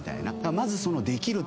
まず。